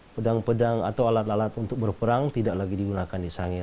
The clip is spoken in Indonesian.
pedang pedang atau alat alat untuk berperang tidak lagi digunakan di sangir